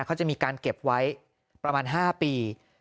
เขาจะมีการเก็บไว้ประมาณ๕ปี